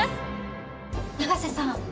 永瀬さん。